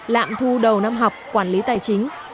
lạm thu đầu năm học quản lý tài chính